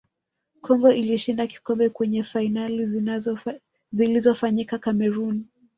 congo ilishinda kikombe kwenye fainali zilizofanyika cameroon